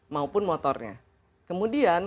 maupun motornya kemudian